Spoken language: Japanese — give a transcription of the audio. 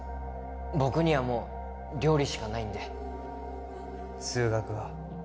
僕にはもう料理しかないんで数学は？